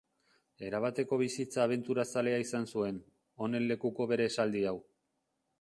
Erabateko bizitza abenturazalea izan zuen, honen lekuko bere esaldi hau.